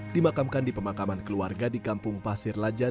dimakamkan di pemakaman keluarga di kampung pasir laja